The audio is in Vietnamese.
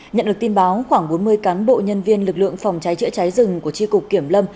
nhận được tin báo khoảng bốn mươi cán bộ nhân viên lực lượng phòng cháy chữa cháy rừng của tri cục kiểm lâm